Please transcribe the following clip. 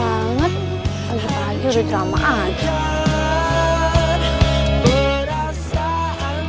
lan lan dengerin gua dulu lan lan